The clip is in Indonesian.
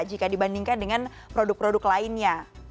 jika dibandingkan dengan produk produk lainnya